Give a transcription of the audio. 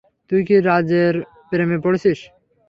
তুই কি রাজের প্রেমে পড়েছিস?